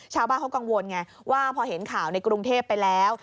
ชาวบ้านเขากังวลไงว่าพอเห็นข่าวในกรุงเทพไปแล้ว